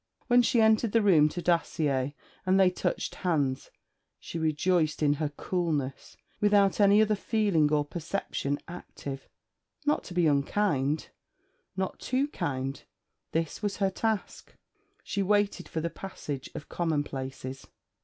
When she entered the room to Dacier and they touched hands, she rejoiced in her coolness, without any other feeling or perception active. Not to be unkind, not too kind: this was her task. She waited for the passage of commonplaces.